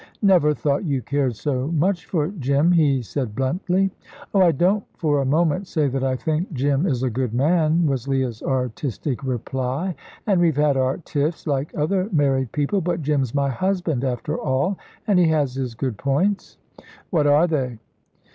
"Never thought you cared so much for Jim," he said bluntly. "Oh, I don't for a moment say that I think Jim is a good man," was Leah's artistic reply; "and we've had our tiffs, like other married people. But Jim's my husband, after all. And he has his good points." "What are they?"